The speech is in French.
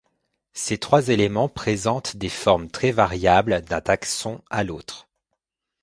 Ces trois éléments présentent des formes très variables d'un taxon à l'autre.